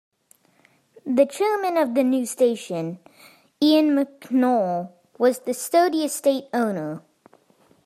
The Chairman of the new station, Ian McNicol, was the Stody Estate owner.